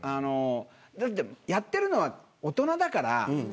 だってやってるのは大人だから。